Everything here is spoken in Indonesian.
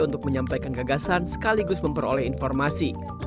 untuk menyampaikan gagasan sekaligus memperoleh informasi